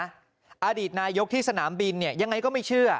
ผู้ผิดนายยกที่สนามบินยังไงก็ไม่เชื่อ